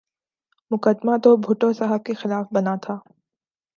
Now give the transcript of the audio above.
مقدمہ تو بھٹو صاحب کے خلاف بنا تھا۔